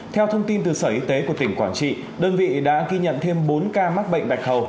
theo thông tin từ sở y tế của tỉnh quảng trị đơn vị đã ghi nhận thêm bốn ca mắc bệnh bạch hầu